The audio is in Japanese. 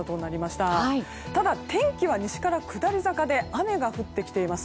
ただ、天気は西から下り坂で雨が降ってきています。